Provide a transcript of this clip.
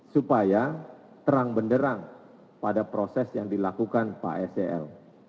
supaya terang benderang pada proses yang dilakukan pak sel